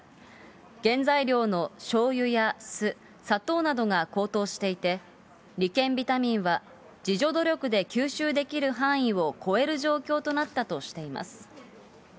原材料のしょうゆや酢、砂糖などが高騰していて、理研ビタミンは、自助努力で吸収できる範囲を超える状況となったとしています。